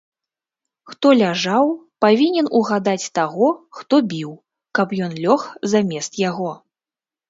Хто ляжаў, павінен угадаць таго, хто біў, каб ён лёг замест яго.